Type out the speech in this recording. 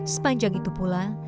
sepanjang itu pula